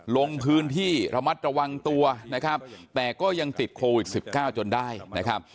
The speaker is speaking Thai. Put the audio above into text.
ลงพื้นที่ระมัดระวังตัวนะครับแต่ก็ยังติดโควิด๑๙จนได้นะครับ